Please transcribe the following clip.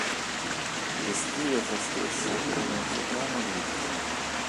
Descrive se stessa come un soprano lirico.